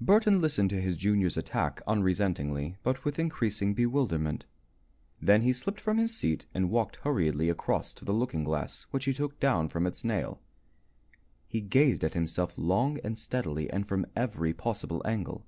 Burton listened to his junior's attack unresentingly but with increasing bewilderment. Then he slipped from his seat and walked hurriedly across to the looking glass, which he took down from its nail. He gazed at himself long and steadily and from every possible angle.